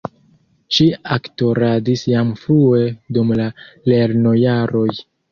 Ŝi aktoradis jam frue dum la lernojaroj.